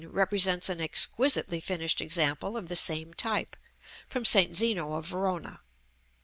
represents an exquisitely finished example of the same type, from St. Zeno of Verona.